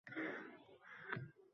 Janjal bo’lur albatta bir qur.